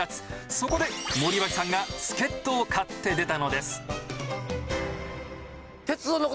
そこで森脇さんが助っ人を買って出たのです。